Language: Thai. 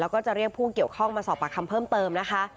แล้วก็จะเรียกผู้เกี่ยวข้องมาสอบปากคำเพิ่มเติมนะคะ